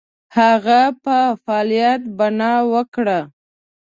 هغه په فعالیت بناء وکړه.